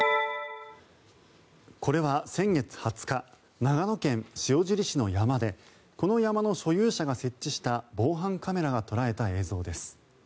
これは先月２０日長野県塩尻市の山でこの山の所有者が設置した防犯カメラが捉えた映像です。